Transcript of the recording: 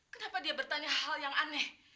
kenapa dia bertanya hal yang aneh